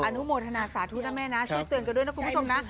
อนุโมทนาสาธุนะแม่นะช่วยเตือนกันด้วยนะคุณผู้ชมนะ